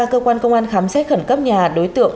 cơ quan công an khám xét khẩn cấp nhà đối tượng